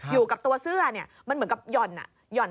อยู่กับตัวเสื้อเนี่ยมันเหมือนกับหย่อนห่อน